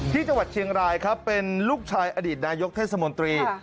ที่จังหวัดเชียงรายครับเป็นลูกชายอดีตนายกเทศมนตรี